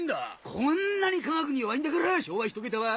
こんなに科学に弱いんだから昭和ひと桁は。